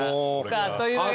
さあというわけで。